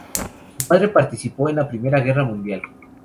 Su padre participó en la Primera Guerra Mundial.